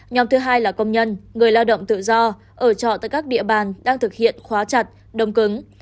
nhóm thứ hai là công nhân người lao động tự do ở trọ tại các địa bàn đang thực hiện khóa chặt đồng cứng